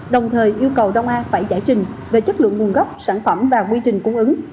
đồng thời yêu cầu đông an phải giải trình về chất lượng nguồn gốc sản phẩm và quy trình cung ứng